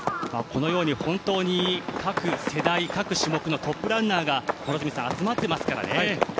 このように本当に各世代各種目のトップランナーが集まってますからね。